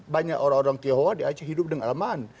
banyak orang orang tionghoa di aceh hidup dengan alan